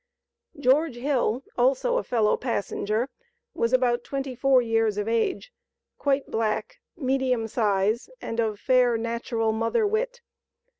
George Hill, also a fellow passenger, was about twenty four years of age, quite black, medium size, and of fair, natural mother wit.